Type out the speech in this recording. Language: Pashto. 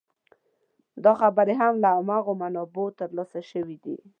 دا خبرې هم له هماغو منابعو تر لاسه شوې دي.